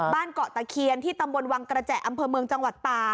เกาะตะเคียนที่ตำบลวังกระแจอำเภอเมืองจังหวัดตา